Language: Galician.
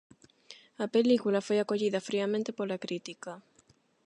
A película foi acollida friamente pola crítica.